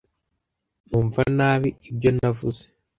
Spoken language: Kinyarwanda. Numva nabi ibyo navuze.